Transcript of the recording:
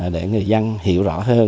để người dân hiểu rõ hơn